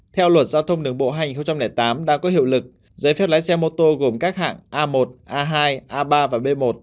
theo luật giao thông đường bộ hành tám đang có hiệu lực giấy phép đáy xe mô tô gồm các hạng a một a hai a ba và b một